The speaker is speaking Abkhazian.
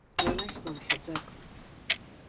Снанашьҭуам шьаҿак.